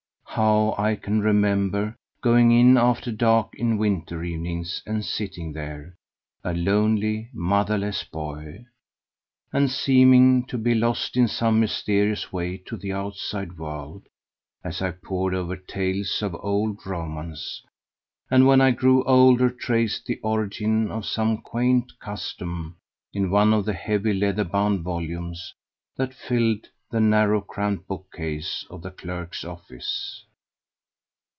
How I can remember going in after dark in winter evenings and sitting there, a lonely motherless boy, and seeming to be lost in some mysterious way to the outside world, as I pored over tales of old romance, or when I grew older traced the origin of some quaint custom in one of the heavy leather bound volumes that filled the narrow cramped bookcase of the clerk's office!